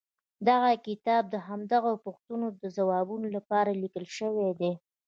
دغه کتاب د همدغو پوښتنو د ځوابولو لپاره ليکل شوی دی.